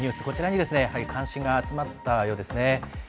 こちらに関心が集まったようですね。